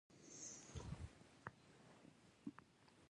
راځئ ځو څخنک کوو.